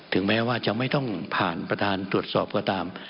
แม้ว่าจะไม่ต้องผ่านประธานตรวจสอบก็ตาม